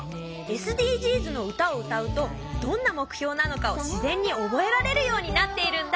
「ＳＤＧｓのうた」を歌うとどんな目標なのかを自然に覚えられるようになっているんだ。